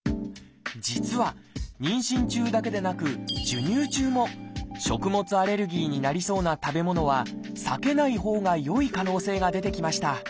実は妊娠中だけでなく授乳中も食物アレルギーになりそうな食べ物は避けないほうがよい可能性が出てきました。